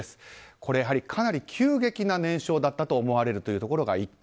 これはかなり急激な燃焼だったと思われるというのが１点。